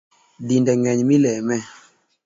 Dinde ngeny mileme